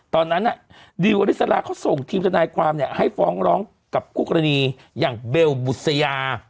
ตอนนั้นน่ะดิวอฤษลาเขาส่งทีมทะนายความเนี่ยให้ฟ้องร้องกับคุกรณีอย่างเบลบุษยา